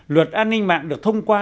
luật an ninh mạng được thông qua